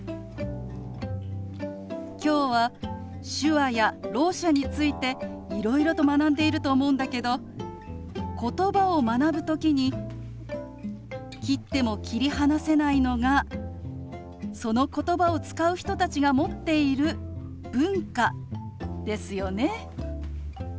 今日は手話やろう者についていろいろと学んでいると思うんだけどことばを学ぶ時に切っても切り離せないのがそのことばを使う人たちが持っている文化ですよね。